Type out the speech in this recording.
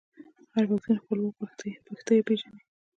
هر پښتون خپل اوه پيښته پیژني.